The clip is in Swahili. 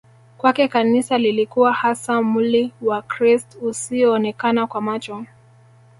Kwake Kanisa lilikuwa hasa mwli wa krist usioonekana kwa macho